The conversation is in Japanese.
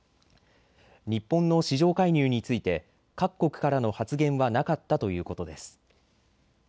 日本の市場介入について各国からの発言はなかったということです。